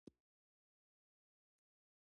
په هر وخت کې د شرایطو غوښتنو سره سم.